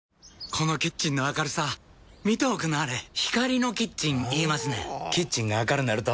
このキッチンの明るさ見ておくんなはれ光のキッチン言いますねんほぉキッチンが明るなると・・・